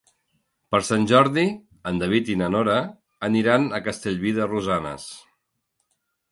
Per Sant Jordi en David i na Nora aniran a Castellví de Rosanes.